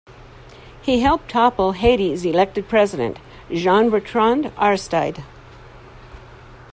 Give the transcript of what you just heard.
He helped topple Haiti's elected president, Jean-Bertrand Aristide.